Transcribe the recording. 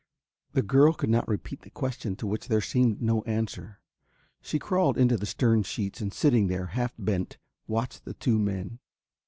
The girl could not repeat the question to which there seemed no answer, she crawled into the stern sheets and sitting there, half bent, watched the two men.